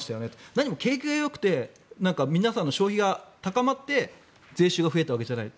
何も景気がよくて皆さんの消費が高まって税収が増えたわけじゃない。